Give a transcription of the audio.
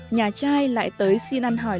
nhà trai lại tới xin ăn hỏi